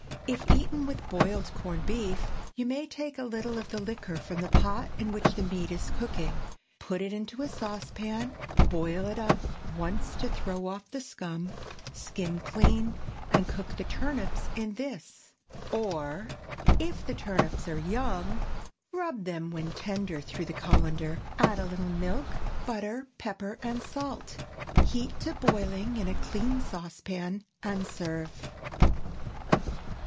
If eaten with boiled corned beef, you may take a little of the liquor from the pot in which the meat is cooking; put it into a saucepan, boil up once to throw off the scum, skim clean, and cook the turnips in this. Or, If the turnips are young, rub them when tender through the cullender; add a little milk, butter, pepper, and salt; heat to boiling in a clean saucepan and serve.